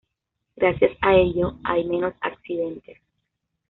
Gracias a ello hay menos accidentes.